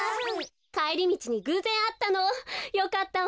かえりみちにぐうぜんあったの。よかったわ。